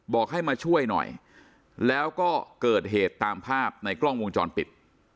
บอกให้มาช่วยหน่อยแล้วก็เกิดเหตุตามภาพในกล้องวงจรปิด